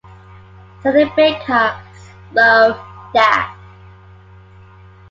Sending big hugs, love dad.